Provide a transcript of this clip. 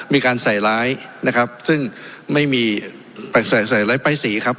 มีการใส่ร้ายนะครับซึ่งไม่มีไปใส่ใส่ร้ายป้ายสีครับ